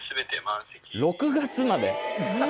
６月まで！